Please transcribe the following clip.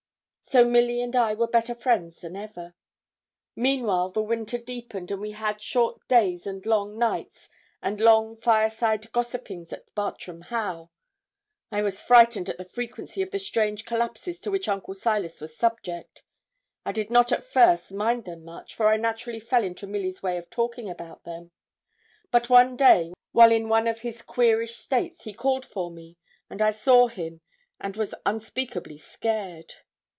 So Milly and I were better friends than ever. Meanwhile, the winter deepened, and we had short days and long nights, and long fireside gossipings at Bartram Haugh. I was frightened at the frequency of the strange collapses to which Uncle Silas was subject. I did not at first mind them much, for I naturally fell into Milly's way of talking about them. But one day, while in one of his 'queerish' states, he called for me, and I saw him, and was unspeakably scared.